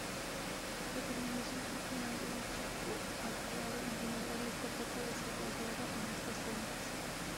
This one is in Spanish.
La terminación propiamente dicha, o acabado, en general está poco desarrollada en estas fuentes.